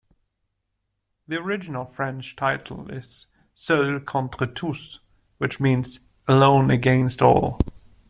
The original French title is Seul contre tous, which means "Alone against all".